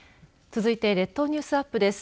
続いて列島ニュースアップです。